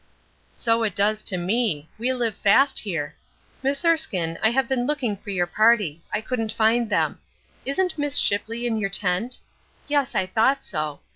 "So it does to me; we live fast here. Miss Erskine, I have been looking for your party; I couldn't find them. Isn't Miss Shipley in your tent? Yes, I thought so.